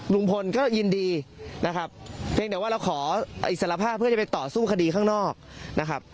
ลุงพลก็ยินดีนะครับเพียงแต่ว่าเราขออิสรภาพเพื่อจะไปต่อสู้คดีข้างนอกนะครับ